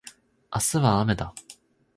明日はあめだ